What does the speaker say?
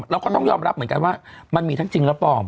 เราก็ต้องยอมรับเหมือนกันว่ามันมีทั้งจริงและปลอม